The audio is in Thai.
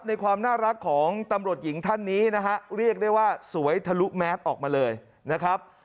ในความน่ารักของตำรวจหญิงท่านนี้นะฮะเรียกได้ว่าสวยทะลุแมสออกมาเลยนะครับ